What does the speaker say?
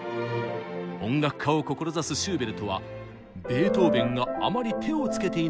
音楽家を志すシューベルトはベートーベンがあまり手をつけていないジャンルで作曲を始めます。